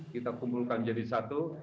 kita kumpulkan jadi satu